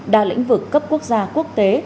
đa lĩnh vực cấp quốc gia quốc tế